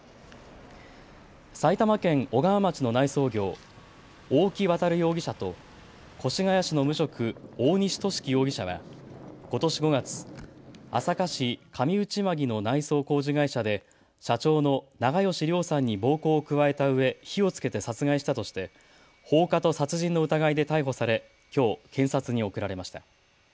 埼玉県小川町の内装業、大木渉容疑者と越谷市の無職、大西寿貴容疑者はことし５月、朝霞市上内間木の内装工事会社で社長の長葭良さんに暴行を加えたうえ火をつけて殺害したとして放火と殺人の疑いで逮捕されきょう検察に送られました。